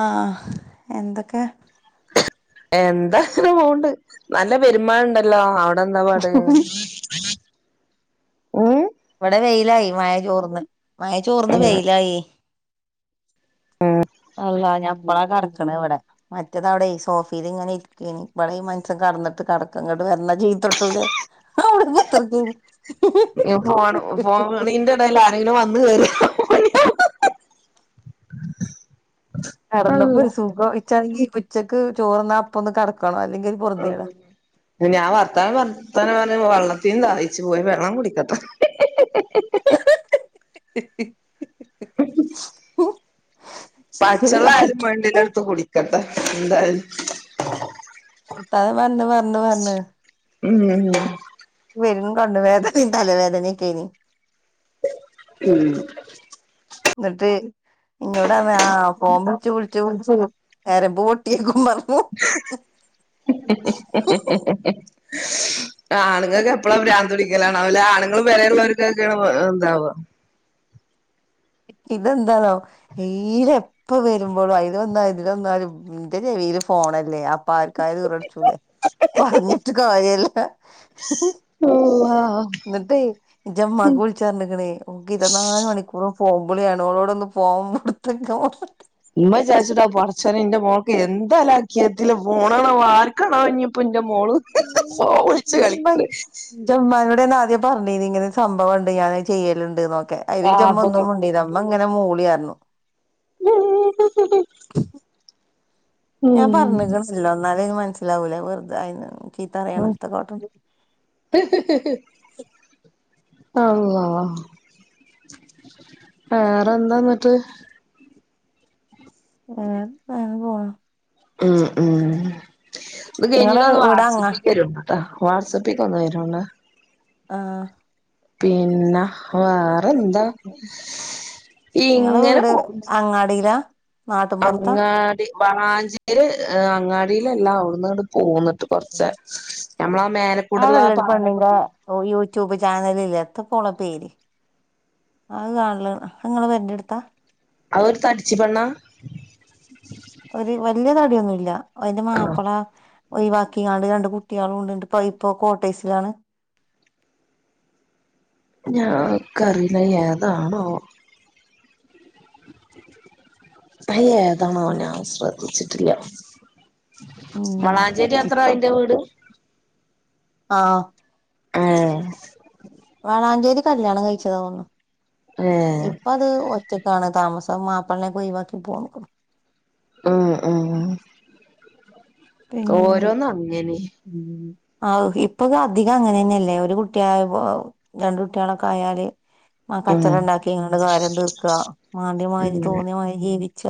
ആഹ് എന്തൊക്കെ എന്താ ഇങ്ങന പോണ്ട് നല്ല പെരുമ്മയ ഇണ്ടല്ലോ ന്താ പാട് ഉം ഇവിടെ വെയിലായി മായ ചോർന്ന് മയ ചോർന്ന് വെയിലായി ആഹ് അള്ളാഹ് ഞഇപ്പളാ കെടക്കണവിടെ മറ്റേത് അവിടെ സോഫീലിങ്ങനെ ഇവ്ടെ ഈ മൻസം കടന്നിട്ട് കടക്ക ഇങ്ങട്ട് വന്ന ചീത്തട്ടൂലെ അവ്ടെ കുത്തിർനീനി ഫോൺ ഫോൺവിളിൻ്റെടൽ ആരെങ്കിലും വന്ന് കേറിയാ അള്ളാ കിടന്നപ്പോരു സുഖം നിച്ചാണങ്കിൽ ഉച്ചക്ക് ചോറന്നപ്പൊ ഒന്ന് കടക്കണോ അല്ലെങ്കി പൊറുതിയടാ ഞാൻ വർത്തനം വർത്തനം പറഞ്ഞ് വെള്ളത്തിനു ദാഹിച്ചു പോയി വെള്ളം കുടിക്കട്ടെ [inaudible] [inaudible] പച്ചെള്ള ആയാലുവേണ്ടില എടുത്ത് കുടിക്ക [unintelligible] വർത്താനം പറഞ്ഞ് പറഞ്ഞ്പറഞ്ഞ് ഏ പെരും കണ്ണ് വേദനയും തലവേദനയൊക്കെനി ഉം ന്നിട്ട് എന്നോടാന്ന ആഹ് ഫോം വിളിച് വിളിച് വിളിച്ചു ഞരമ്പ് പൊട്ടിയേക്കും പറഞ്ഞ് [inaudible] ആണുങ്ങൾക്കെ എപ്പള പിരാന്ത് പിടിക്കലാണല്ലെ ആണുങ്ങളും പെരേല്ള്ളവർക്കൊക്കെയാണ് എന്താവുഅ ഇതെന്താന്നാ ടെയിലി എപ്പ വരുമ്പോളോ അയില വന്നാലും ഇതിലവന്നല് എന്റെ ചെവിയില് ഫോണല്ലേ അപ്പൊ ആർക്കായലു [unintelligible] പറഞ്ഞിട്ട് കാര്യയില്ല അള്ളാ ന്നിട്ടേ ന്റെമ്മാക്ക് വിളിച്ചാറിഞ്ഞിക്കണേ ഓക്ക് ഇര വത്തിനാല് മണിക്കൂറും ഫോബിളിയാണ് ഓളോടൊന്ന് ഫോണടുത്തക്കെപ്പ ഇമ്മ വിചാരിച്ചിട്ടാ പടച്ചോനെ ഇന്റെ മോക്ക് എന്താ ലക്കത്ത ഫോണാണോവോ ആർക്കാണാവോ പ്പോന്റെ മോള് ഫോം വിളിച്ച്കളിക്കന്ന് ൻ്റെമ്മാനോട് ആദ്യം പറഞ്ഞീനി ഇത് ഇങ്ങനെ സംഭവുണ്ട് ഞാന് ചെയ്യലുണ്ട് നോക്കെ അതി ൻ്റെമ്മ പാപകോ ഒന്നും മിണ്ടീല ഇമ്മ ഇങ്ങനെ മൂളിയർഞ്ഞു [inaudible] ഞാൻ ഉം പറഞ്ഞ്ക്ണ്ല്ലോ എന്നാല് അയിന് മനസ്സിലാവൂലേ വെറുത അയ്‌ന്ചീത്തറിയണ അള്ളാഹ് വേറെന്താന്നട്ട് എത്ത അങ്ങന പോന്ന് ഉം ഉം കയിഞ്ഞ് ഇങ്ങളെ ഒന്ന് വീട് അങ്ങ വാട്സപ്പിക്ക് വരൂണ്ടു വാട്സപ്പിക്കൊന്ന് വരു ആഹ് പിന്നെ വാറെന്താ ങ്ങളെ വീട് പോകണ്ട് അങ്ങാടിലാ? അങ്ങാടി വളാഞ്ചേരി അങ്ങാടിലല്ല. അവ് ടുന്ന് ഇങ്ങട്ട് പോന്ന്ട്ട്. [unintelligible] ഞമ്മളാ മേല ക്കൂടള്ള ആ പാലൊക്കെ പോയി. ഓ യൂറ്റുബ് ചാനല് ലെ എത്തപോളെ പേര്? അയ്‌ കൺല് അയ് ഇങ്ങളെ പേരന്റെ എടുത്താ. അയ്‌ ഒര് തട്ച്ചി പെണ്ണ. ഒര് വല്ല്യ തടിയൊന്നുല്ല. അയിന്റെ ആഹ് മാപ്പള. ഒഴിവാക്കിക്കാണ്ട് രണ്ട് കുട്ട്യാളുണ്ട്. ന്ന്ട്ട്പ്പോ ഇപ്പോകോട്ടേസിലാണ്. ഞാ ക്കറീല ഏതാണോവോ? അയ് ഏതാണോനാവോ ഞാൻ ശ്രദ്ധിച്ചിട്ടില്ല. ഉം വളാഞ്ചേരി അത്രേ ഇപ്പം അയിന്റെ വീട്. ആഹ്. ഏഹ് വാളഞ്ചേരി കല്യാണം കഴിച്ചത തോന്നുണ് ഏഹ്. പ്പഅത് ഒറ്റക്കാണ് താമസം. മാപ്പളനോക്കെ ഒയിവാക്കി പൊന്നക്ക്ണ്. ഉം ഉം പിന്നെ. ഓരോന്ന് അങ്ങനെ ആഹ് ഇപ്പൊകെ അധികം അങ്ങനെന്നെല്ലേ. ഒരു കുട്ടിയായപൊ രണ്ടുട്ട്യാളോക്കെ ആയാല്. ആ ഉം കച്ചറണ്ടാക്കിക്കാണ്ട് കാര്യം തീർക്ക. മാണ്ട്യമാരി ഉം തോന്ന്യാമാരി ജീവിച്ച.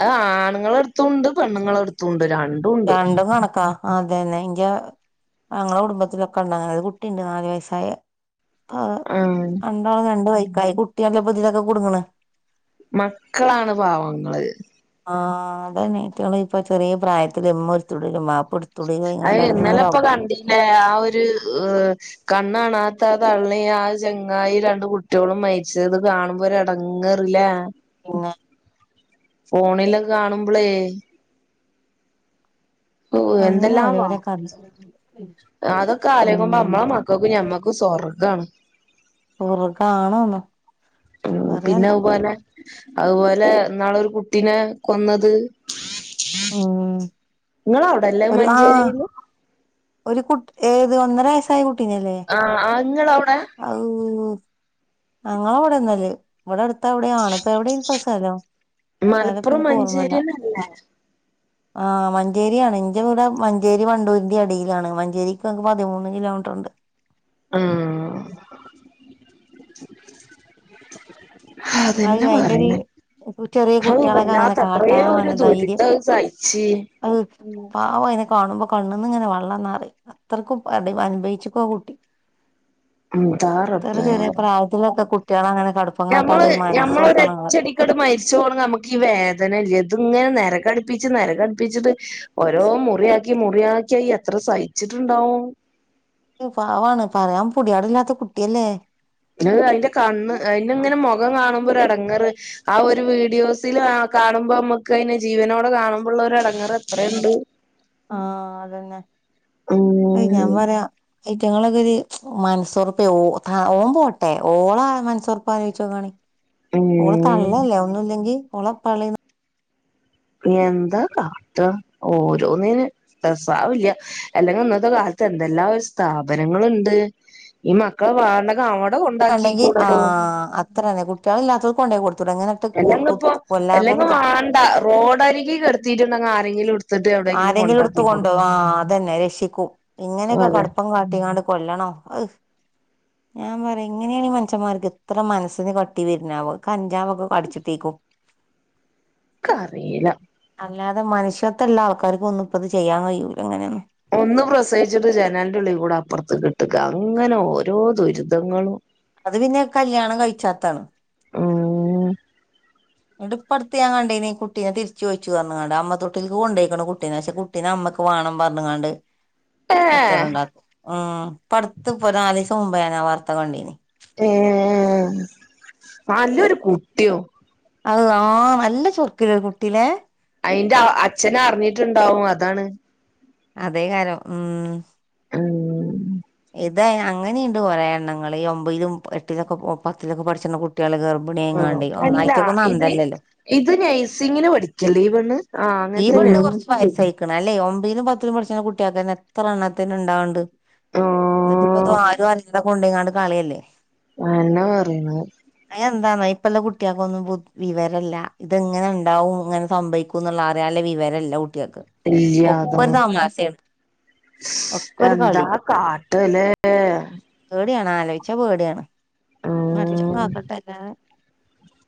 അത് ആൺങ്ങളെ എട്ത്തുണ്ട് പെണ്ണുങ്ങളെ എട്ത്തുണ്ട് രൺ രണ്ടും കണക്കാ, അതെന്നെ എങ്കിയ ഞങ്ങളെ കുടുംബത്തിലൊക്കെണ്ട്ങ്ങനെ ഒര് കുട്ടിണ്ട് നാല് വയസ്സായ പ്പ ആഹ് രണ്ടാളും രണ്ട് വൈക്കായി. കുട്ട്യാളല്ലെ പ്പതിലൊക്കെ കുട്ങ്ങണ്. മക്കളാണ് പാവങ്ങള്. ആഹ് അതന്നെ റ്റങ്ങളെപ്പോ ചെറിയ പ്രായത്തില് ഇമ്മ ഒരുത്തുടിലും വാപ്പഒട് അയ് ഇന്നലെപ്പൊ കണ്ടിലെ ആ ഒരുഎ കണ്ണാണാത്ത തള്ളീം ആ ഒരു ചെങ്ങായി രണ്ട് കുട്ട്യോളും മരിച്ചത് കാണുമ്പോൾ ഒരടങ്ങെ ങ്ങെറ്ല്ലേ. പിന്നെ. ഫോണിലകെ കാണുമ്പളേ. ഓ അങ്ങനെ എന്തെല്ലാം ഓരോരോ കഥ വാർത്താള, അതൊക്കെ ആലോയിക്കുമ്പോ ഉം അമ്മളെമക്ക ക്കും മ്മക്കും സ്വർഗ്ഗണ്. സ്വർഗാനോന്നോ ഉം പിന്നെ അയ്‌പോലെ അയ്‌പോലെ ന്നാളോരു കുട്ടിനെ കൊന്നത്. ഉം ഇങ്ങളെ അവിടെല്ലേ അത് ഒരു ആഹ് മഞ്ചേരിയില് ഒരു കുട്ട് ഏത് ഒന്നര വയസ്സായ കുട്ട് ആഹ് അഹ് ഇങ്ങളവ്ടെ? ഔ ഞങ്ങളവ്ട്ന്നല്ലെയ്. ഇമ്പടെ അടുത്ത് എവ്ടെ ആണ്. ഇപ്പോ എവ്ടെയ്നിപ്പോ സ്ഥലം. സ്ഥല ഇപ്പോ മലപ്പുറം ഇൻക്ക് ഓർമ്മല്ല. മഞ്ചേരിന്നല്ലേ ആഹ് മഞ്ചേരിയാണ് എന്റെ ഇവിടെ ആഹ് ആഹ് മഞ്ചേര്യാണ്. ഇന്റെ വീടാ മഞ്ചേരി വണ്ടൂരിന്റിം എടെലാണ്. മഞ്ചേരിക്ക്ങ്ങ് പതിമൂന്ന് കിലോമീറ്റർണ്ട്. ആഹ് അത് അതെന്നെ അയിന്റൊരു പറിണേ. ചെറിയ ഹൗ കുട്ടികളൊക്കെ അങ്ങനെ വല്ലാത്ത കാട്ടാൻ എത്രയോരു ദുരിതം അയ് സയിച്ച്. അയ്‌ പാവയ്‌നെ കാണുമ്പോ കണ്ണന്ന്ങ്ങനെ വള്ളംന്നറിം. അത്രയ്ക്കും അനുഭവിച്ച്ക്കുംആ കുട്ടി. എന്താ ഇത്ര റബ്ബേ ചെറിയ പ്രായത്തിലൊക്കെ കുട്ടികളങ്ങനെ കടുപ്പം കാട്ട മ്മൾ ഞമ്മളൊരച്ചടി ങ്ങട് മരിച്ച പോണെങ്കിൽ നമുക്ക് ഈ വേദനയില്ല ഇത് ഇങ്ങനെ നിരകടുപ്പിച്ച് നിരകടുപ്പിച്ചിട്ട് ഓരോ മുറിയാക്കി മുറിയാക്കി അയ് എത്ര സഹിച്ചിട്ടുണ്ടാവും പാവാണ് പറയാൻ പൊടിയാട ഇല്ലാത്ത കുട്ടിയല്ലേ ഏ് അതിന്റെ കണ്ണ് അതിന് ഇങ്ങനെ മുഖം കാണുമ്പോ ഒര് എടെങ്ങറ് ആ ഒരു വീഡിയോസിൽ ആ കാണുമ്പോ നമ്മുക്ക് അയിനെ ജീവനോടെ കാണുമ്പോുള്ള ഒരു എടങ്ങറ് എത്രയുണ്ട് ആഹ് അതന്നെ അയ് ഞാ ഉം പറയാ ഇറ്റങ്ങളൊക്കെ ഒരു മനസുറുപ്പേ ഓ ആ ഓൻ പോട്ടെ ഓള മനസൊറുപ്പ ആലോയിച്ചു നോക്കാണി ഉം ഓള തള്ളല്ലേ ഒന്നുംല്ലെങ്കി ഓള പ ന എന്താ കാട്ട ഓരോന്നീന് രസാവുല്ല എല്ലെങ്കി ഇന്നത്തെ കാലത്ത് എന്തെല്ലാ സ്ഥാപനങ്ങളുണ്ട് ഈ മക്കളെ വാണ്ടങ്കി അവടെ ഉണ്ടെങ്കി ഉണ്ടാക്കികൂടെടോ ആഹ് അത്രന്നെ കുട്ടികൾ ഇല്ലാത്ത കൊണ്ടോയി കൊടുത്തൂടേ അങ്ങനെ എല്ലെങ്ക ഇപ്പോ എല്ലെങ്കും വേണ്ട റോഡരികി കടത്തിയിട്ടുണ്ടങ്ക ആരെങ്കിലും എ ആരെങ്കിലും എടുത്ത കൊണ്ടോ ആ അതന്നെ രക്ഷിക്കും ഇങ്ങനെയൊക്കെ അതെ കടുപ്പം കാട്ടികാണ്ട് കൊല്ലണോ അ ഞാൻ പറയാ ഇങ്ങനെയാണ് ഈ മനഷ്യന്മാർക്ക് ഇത്ര മനസിനെ കട്ടി വരാനേയാവോ കഞ്ചാവ്ക്കെ കടിച്ചിട്ടേക്കും കറിയില്ല അല്ലാതെ മനുഷ്യത്തല്ല ആൾക്കർക്കും ഒന്നും ഇപ്പ ഇത് ചെയ്യാൻ കഴിയൂല്ല അങ്ങനെയാ ഒന്ന് പ്രസവിച്ചിട്ട് ജനാലിന്റെ ഉള്ളി കൂടെ അപ്പുറത്ത് കിട്ടുക അങ്ങനെ ഓരോ ദുരിതങ്ങളും അത് പിന്നെ കല്യാണം കഴിച്ചാത്താണ് ഓ ഉം ഇത് ഇപ്പ അടുത്ത് ഞാ കണ്ടേനി കുട്ടീെ തിരിച്ച് ചോയിച്ച് [unintelligible] അമ്മ തൊട്ടിലിക്ക് കൊണ്ടോയ്ക്കണ കുട്ടീനെ പ ട്ടിന അമ്മക്ക് വേണം പറഞ്ഞാങ്ങാണ്ട് കച്ചറം ഏഹ് ഉണ്ടാക്കും ഉം പടുത്ത് ഇപ്പൊ [unintelligible] മുമ്പയന വാർത്ത കണ്ടീന് ഏഹ് നല്ലൊരു കുട്ടിം അത് ആഹ് നല്ല ചുർക്കില്ല ഒരു കുട്ടീയിലെ അയിന്റെ അച്ഛന അറിഞ്ഞിട്ടുണ്ടാവും അതാണ് അതേ കാലം ഉം ആഹ് ഇതേ അങ്ങനെയുണ്ട് കുറെേ എണ്ണങ്ങൾ ഈ ഒമ്പയിലും എട്ടിലൊക്കെ ഓ പത്തിലൊക്കെ പഠിച്ചിന്ന കുട്ടികൾ ഗർ ഓ അല്ല ഇത് ഇത് നഴ്സിങ്ങിന് പഠിക്കല്ലേ ഇ പെണ്ണ് ആ ഈ അങ്ങനെ തന്നെയാണ് [unintelligible] അല്ലേ ഒമ്പിലും പത്തിലും പഠിച്ചണാ കുട്ടികൾക്കന്നെ എത്ര എണ്ണത്തന്നെ ഉണ്ടാവണ്ട് എന്നിട്ട ഇപ്പ അതും ആഹ് ആരും [unintelligible] കൊണ്ടെങ്ങാണ്ട് കളിയല്ലേ ആ എന്നാ പറയണ് അ എന്താന്നാ ഇപ്പല്ല കുട്ടികൾക്കൊന്നും ബു വിവരമല്ല ഇതെങ്ങനെ ഉണ്ടാവും ഇങ്ങനെ സംഭവിക്കും ക്കുന്നുള്ള അറിയാല്ലേ വിവരല്ല കുട്ടികൾക്ക് ഇല്ല ഒക്കെ അതോ ഒരു തമാശയാണ് ഒക്കെ ഒരു കളി എന്താ കാട്ട്വല്ലേ ആഹ് പേടിയാണ് ആലോയി ച്ച പേടിയാണ് പടച്ചോ കാക്കട്ടെല്ലാതെ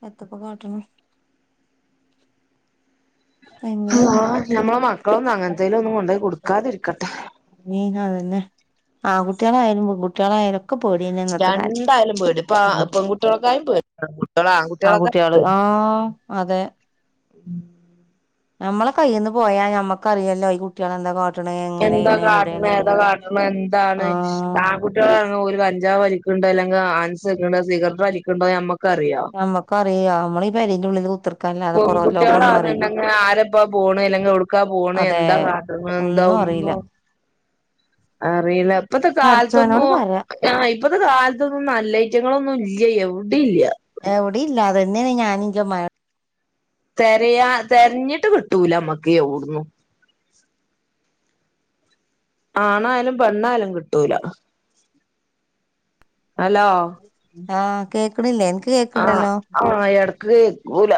എത്തപ്പ കാട്ടണ ആ നമ്മളെ മക്കളൊന്നും അങ്ങനത്തേലും ഒന്നും കൊണ്ടയ് കൊടുക്കാതിരിക്കട്ടെ നിന അതന്നെ ആൺകുട്ടികളായാലും പെങ്കുട്ടികളായാലും എനക്ക് പേടിന്നെ രണ്ടയാലും പേടിയാ ഇപ്പ ആ പെങ്കുട്ട്യേളെക്കായും പേടിയ പെങ്കുട്ടിയെല് ആങ്കു ആങ്കുട്ട്യേള് ആഹ് അതെ നമ്മളെ കയ്യിൽന്ന് പോയാ ഞമ്മക്കറിയല്ലോ ഈ കുട്ടികളെന്താ കാട്ടണ എങ്ങനെയ കാട്ടണ ഏത കാട്ടണെഎന്താണ് ആണ്കുട്ടി കുട്ടിളാണെങ്കിൽ ഓൽ കഞ്ചാവ് വലിക്കുണ്ട് അല്ലെങ്കിൽ ആൻസ്ണ്ട് സിഗരറ്റ് വലിക്കുണ്ടോന്ന് നമ്മക്ക അറിയോ നമ്മക്ക് അറിയാ നമ്മള് ഈപെരന്റെഉള്ളിൽ കുത്തർക്കാ പെൺകുട്ടികളാന്നണ്ടെങ്കൽ ആരപ്പാ പോണ് ഇല്ലെങ്കിൽ എവിടുക്കാ പോണ് അതെ എന്താ കാട്ട്ണാഎന്താ ഒന്നും അറിയില്ല ഇപ്പത്തെ പടച്ചോനോട് കാലത്തൊന്നും പറയാ ആഹ ഇപ്പത്തെ കാലത്തൊന്നും നല്ല ഐറ്റങ്ങളൊന്നും ഇല്ല എവിടെ ഇല്ല എവിടെ ഇല്ല അതന്നെയ ഞാനി ഇൻജെഇമ്മാനോട് തെരയാ തെരഞ്ഞിട്ട് കിട്ടൂല നമ്മക്ക് എവിടുന്നു ആണായാലും പെണ്ണായാലും കിട്ടൂല ഹലോ ആ കേക്കണില്ലേ ഇൻക്ക് കേക്കണ്ടല്ലോ ഇടക്ക് കേക്കൂല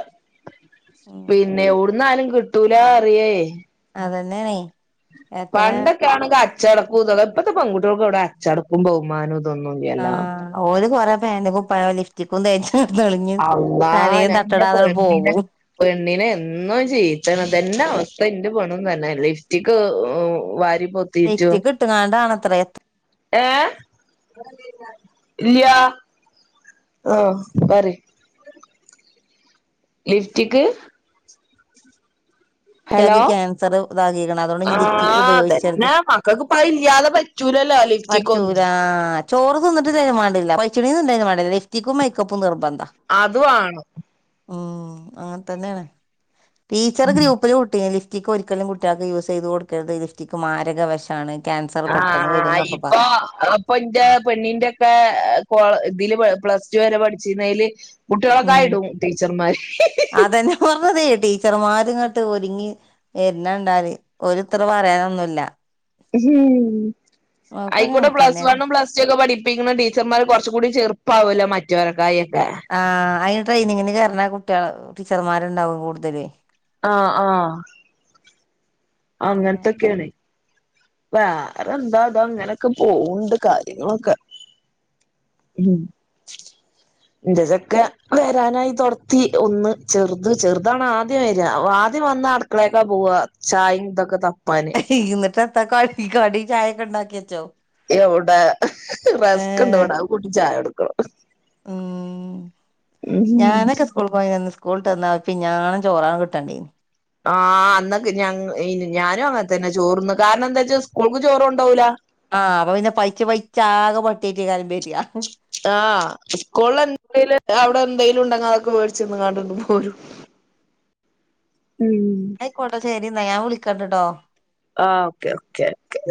ഉം പിന്നെ എവിടുന്നാ ലും കിട്ടൂലാറിയേ അതന്നെയണേ പണ്ടൊക്കെ ആണെങ്കിൽ അച്ചടക്കും ഇതൊക്കെ ഇപ്പഴത്തെ പൺട്ടികൾക്ക് എവിടെ അച്ചടക്കും ബഹുമാനവും ആ ഇതൊന്നുംല്ലല്ലോ ഓല് കൊറെേ പേന്റും കുപ്പായം ലിപ്സ്റ്റിക്കും തേച്ച് ഉം നെളിഞ്ഞ് അള്ളാ തലയും ഞാൻ ഇന്റെ തട്ടടാതെ പെണ്ണിനെ പോകും പെണ്ണിനെ എന്നും ചീത്ത ഇതെന്നെ അവസ്ഥ ഇന്റെപെണ്ണും തന്നെ ലിഫ്റ്റിക്ക് വാരി പോ ലിഫ്റ്റിക്ക് ഇട്ട്ങ്ങാണ്ടാണത്ര ഏ ഇല്ല്യാ ആ പറയ് ലിഫറ്റിക്ക് കുട്ട്യാക്ക് ഹലോ ക്യാൻസർ ഇതാകീക്ക്ന് അതുകൊണ്ട് ഇൻഞ്ഞ് ലിഫ്റ്റിക്ക് ആഹ് ഉപയോഗിച്ചരുത് അതന്നെ മക്കൾക്ക് ഇപ്പ ഇല്ലാതെ പറ്റൂലല്ലോ ലിഫ്റ്റിക്ക് ഒന്നും പറ്റൂലാ ചോറ് തിന്നി്ട്ടില്ലങ്കിലുംമാണ്ടില്ല പൈച്ചിണീന് തിന്നില്ലങ്കിലും മാണ്ടില്ലലിഫ്റ്റിക്കും മേക്കപ്പും നിർബന്ധ- അത് വേണം ഉം അങ്ങനെ തന്നെയാണ് ടീച്ചർ ഗ്രൂപ്പ ഹെ ലിപ്റ്റിക് ഒരിക്കലും കുട്ടികൾക്ക് യൂസ് ചെയ്ത് കൊടുക്കരുത് ലിപ്റ്റിക് മാരക വെ ഷാണ് ആ് ഹ്, ഇപ്പൊ അത ഇപ്പൊ ഇന്റെ പെണ്ണിന്റെ ഒക്കെ കെ ഇതില് പ്ലസ് ടു വരെ പഠിച്ചിരുന്നതില് കുട്ടികളൊക്കെ ഉം ആയിടും ടീച്ചർമാര് ഹി ഹി അതന്നെ പറഞ്ഞതേ ടീച്ചർമാരിങ്ങോട്ട് ഒരുങ്ങി വര്ണ ണ്ടാല്‌ ഓല്‌ ഇത്രപറയാനൊന്നുല്ല ഉ ഒക്കെ ആയിക്കൂടെ പ്ലസ് കണക്കന്നെയാണ് വണ്ണുംപ്ലസ് ടു ഒക്കെ പഠിപ്പ പടിപ്പിക്കുന്ന ടീച്ചർമാർ കുറച് കൂടി ചെറുപ്പാവല്ലോ മറ്റെലെ ക്കായി ഒക്കെ ആ അന് ട്രെയിനിങ്ങിന് കേറുണ കുട്ടികൾ ടീച്ചർമാരുണ്ടാവും കൂടുതല് ആ ആ അങ്ങനെ പിന്നെ ഇക്കെയാണ് വേറെ എന്താ തോ ഇങ്ങനൊക്കെ പോകണ്ട് കാര്യങ്ങളൊക്കെ ഉം [inaudible] ഇന്റെ ജൊക്കൻ വരാനായി തൊടത്തി ഒന്ന് ചെറുത് ചെറുതണ ആദ്യം വര ആദ്യം വന്ന അട് - അടുക്കളക്കാ പോക ചായിം ഇതൊക്കെ തപ്പാന് ഇന്നിട്ടത്ത കടി കടി ചായക്കെണ്ടാക്കി വെച്ചോ എവിടെ റെസ്ക് ഇണ്ട് ഏഹ് എവിടെ അത് കൂട്ടി ചായ കൊടുക്കണം ഉം ഉം ഞാനൊക്കെ സ്കൂൾ പോയി നിന്ന് സ്കൂള് വിട്ട വന്നാ ഒരുപിഞ്ഞാണം ചോറണ് കിട്ടണ്ടി നിം ആഹ് അന്നൊക്കെ ഞ ഞാനും അങ്ങനെ തന്നെ ചോറന്ന് കാരണം എന്താ വച്ച സ്കൂൾക്ക് ചോറു കൊണ്ടാവൂല ആഹ് അപ്പൊ പിന്നെനപൈച്ച പൈച്ച ആകെ പട്ടിആയിട്ടൈകാരം വര് ആഹ് സ്ക്കൂളില് എന്തും അവിടെ എന്തെലും ഉണ്ടങ്ക അതൊക്കെ മേടിച്ച്ന്ന്ങ്ങാണ്ട് പോരും [inaudible] ഉം ആയിക്കോട്ട ശരി ന്നാ ഞാൻ വിളിക്കണ്ട്ട്ടോ ആഹ് ഓക്കെ ഓക്കെ ഓക്കെ